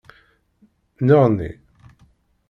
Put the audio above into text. Nneɣni.